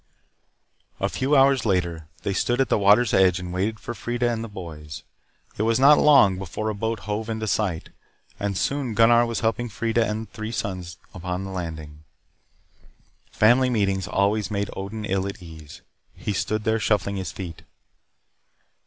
A few hours later, they stood at the water's edge and waited for Freida and the boys. It was not long before a boat hove into sight. And soon Gunnar was helping Freida and the three sons upon the landing. Family meetings always made Odin ill at ease. He stood there, shuffling his feet.